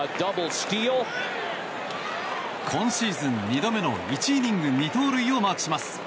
今シーズン２度目の１イニング２盗塁をマークします。